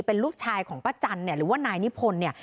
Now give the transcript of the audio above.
เป็นลูกชายของป้าจันทร์หรือว่านายนิพนธ์